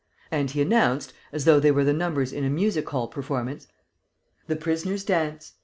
And he announced, as though they were the numbers in a music hall performance: "The prisoner's dance!...